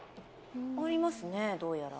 ［ありますねどうやら。］